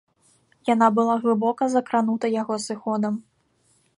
Яна была глыбока закранута яго сыходам.